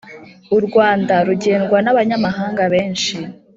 Urwanda rugendwa nabanyamahanga benshi